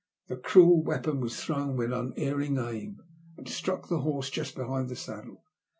The cruel weapon was thrown with unerring aim and struck the horse just behind the saddle.